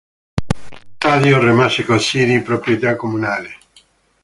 Lo stadio rimase così di proprietà comunale.